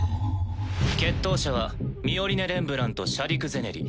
決闘者はミオリネ・レンブランとシャディク・ゼネリ。